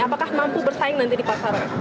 apakah mampu bersaing nanti di pasaran